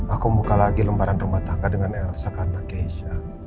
aku membuka lagi lembaran rumah tangga dengan elsa karena keisha